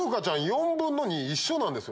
４分の２一緒なんですよ。